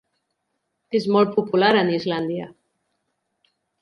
És molt popular en Islàndia.